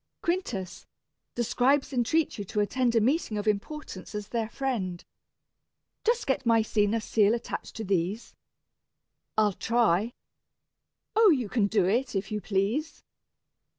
"Quintus, the scribes entreat you to attend A meeting of importance, as their friend." "Just get Maecenas' seal attached to these." "I'll try." "O, you can do it, if you please."